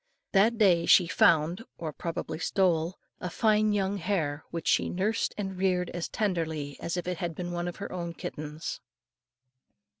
That day she found, or more probably stole, a fine young hare, which she nursed and reared as tenderly as if it had been one of her own kittens.